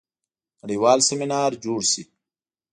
نړیوال سیمینار جوړ شي.